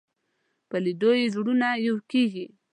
په لیدلو سره زړونه یو کېږي